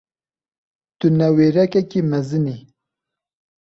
Tu newêrekekî mezin î.